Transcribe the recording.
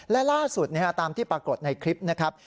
และล่าสุดตามที่ปรากฏในคลิปนะครับ